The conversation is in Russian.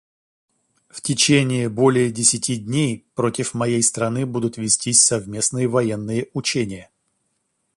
В течение более десяти дней против моей страны будут вестись совместные военные учения.